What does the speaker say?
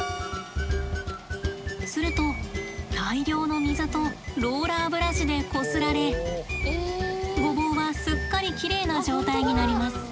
すると大量の水とローラーブラシでこすられごぼうはすっかりきれいな状態になります。